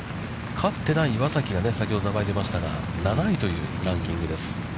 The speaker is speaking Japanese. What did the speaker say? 勝ってない岩崎が、先ほど名前が出ましたが、７位というランキングです。